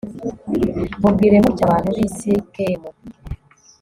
mubwire mutya abantu b'i sikemu